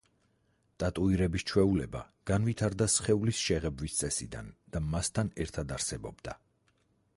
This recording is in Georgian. ტატუირების ჩვეულება განვითარდა სხეულის შეღებვის წესიდან და მასთან ერთად არსებობდა.